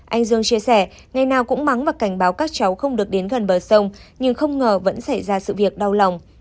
anh dương chia sẻ ngày nào cũng mắng và cảnh báo các cháu không được đến gần bờ sông nhưng không ngờ vẫn xảy ra sự việc đau lòng